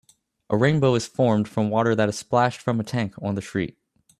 A rain bow is formed from water that is splashed from a tank on the street